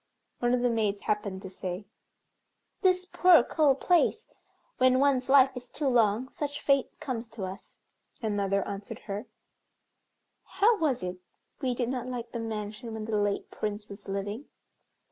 One of the maids happened to say, "This poor cold place! when one's life is too long, such fate comes to us." Another answered her, "How was it we did not like the mansion when the late Prince was living?"